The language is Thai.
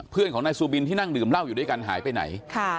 เพื่อนของนายซูบินที่นั่งดื่มเหล้าอยู่ด้วยกันหายไปไหน